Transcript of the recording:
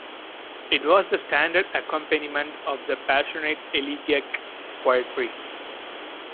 It was the standard accompaniment of the passionate elegiac poetry.